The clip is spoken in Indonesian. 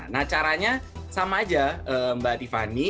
nah caranya sama aja mbak tiffany